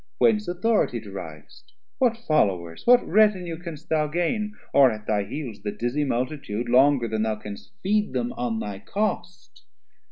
whence Authority deriv'st, What Followers, what Retinue canst thou gain, Or at thy heels the dizzy Multitude, 420 Longer then thou canst feed them on thy cost?